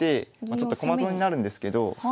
ちょっと駒損になるんですけど。